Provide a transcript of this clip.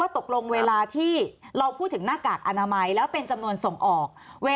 ตกลงเวลาที่เราพูดถึงหน้ากากอนามัยแล้วเป็นจำนวนส่งออก